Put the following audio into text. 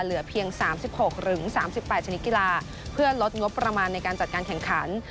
เหลือเพียง๓๖๓๘ชนิดกีฬาเพื่อลดงบประมาณในการจัดการแข่งขัน